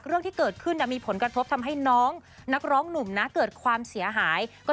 เรื่องความรักไปเลยค่ะ